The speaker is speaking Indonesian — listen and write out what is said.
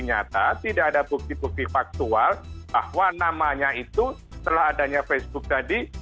nyata tidak ada bukti bukti faktual bahwa namanya itu setelah adanya facebook tadi